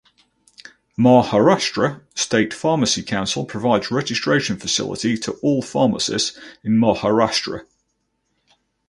Maharashtra State Pharmacy Council provides registration facility to all pharmacists in Maharashtra.